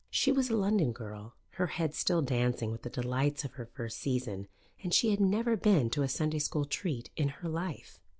She was a London girl, her head still dancing with the delights of her first season, and she had never been to a Sunday school treat in her life.